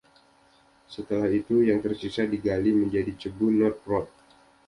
Setelah itu, yang tersisa digali menjadi Cebu North Road.